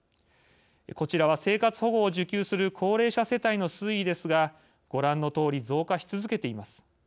こちらは、生活保護を受給する高齢者世帯の推移ですがご覧のとおり増加し続けています。